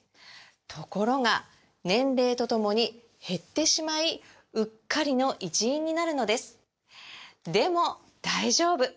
ところが年齢とともに減ってしまいうっかりの一因になるのですでも大丈夫！